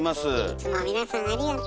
いつも皆さんありがとう。